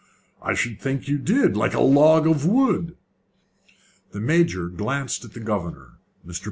I should think you did! Like a log of wood!" The Major glanced at the governor. Mr.